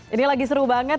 ini lagi seru banget